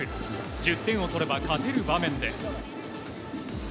１０点を取れば勝てる場面で。